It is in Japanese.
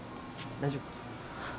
大丈夫？